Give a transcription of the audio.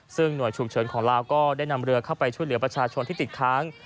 ซึ่งหน่วยฉุกเฉินของลาวก็ได้นำเรือเข้าไปช่วยเหลือประชาชนที่ติดค้าง